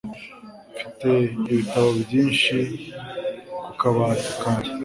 Mfite ibitabo byinshi ku kabati kanjye.